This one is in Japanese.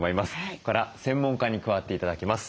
ここから専門家に加わって頂きます。